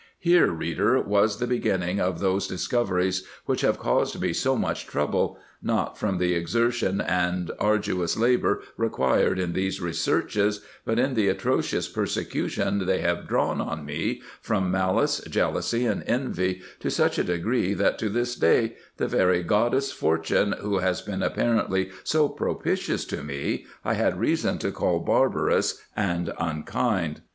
Here, reader, was the beginning of those discoveries, which have caused me so much trouble, not from the exertion and arduous labour required in these researches, but in the atrocious persecution they have drawn on me, from malice, jealousy, and envy, to such a degree, that to this day, the very goddess Fortune, who has been apparently so propitious to me, I had reason to call IN EGYPT, NUBIA, &c. 113 barbarous and unkind.